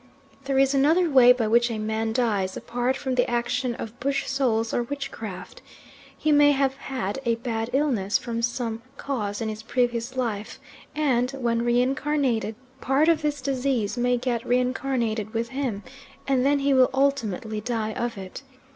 There is another way by which a man dies apart from the action of bush souls or witchcraft; he may have had a bad illness from some cause in his previous life and, when reincarnated, part of this disease may get reincarnated with him and then he will ultimately die of it.